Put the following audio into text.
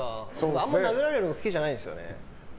あんまり殴られるの好きじゃないんですよね。